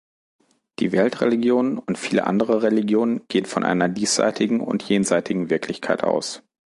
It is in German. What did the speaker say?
Die Weltreligionen und viele andere Religionen gehen von einer diesseitigen und jenseitigen Wirklichkeit aus.